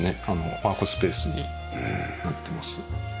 ワークスペースになってます。